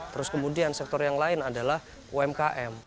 terus kemudian sektor yang lain adalah umkm